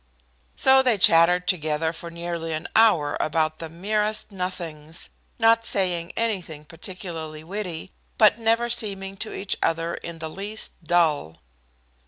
So they chattered together for nearly an hour about the merest nothings, not saying anything particularly witty, but never seeming to each other in the least dull.